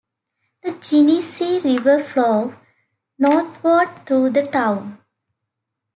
The Genesee River flows northward through the town.